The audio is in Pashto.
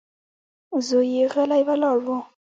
زوی يې غلی ولاړ و.